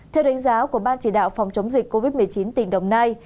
theo đánh giá của ban chỉ đạo phòng chống dịch covid một mươi chín tỉnh đồng nai